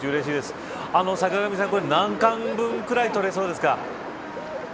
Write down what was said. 坂上さん、何貫分ぐらい取れそうですか。